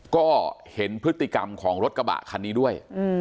ก็เห็นพฤติกรรมของรถกระบะคันนี้ด้วย